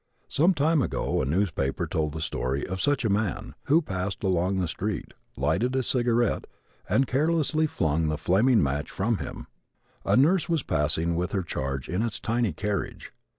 Some time ago a newspaper told the story of such a man, who passed along the street, lighted a cigaret and carelessly flung the flaming match from him. A nurse was passing with her charge in its tiny carriage.